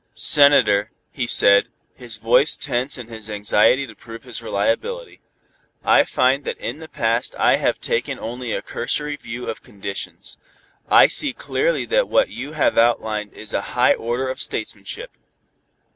"Senator," he said, his voice tense in his anxiety to prove his reliability, "I find that in the past I have taken only a cursory view of conditions. I see clearly that what you have outlined is a high order of statesmanship.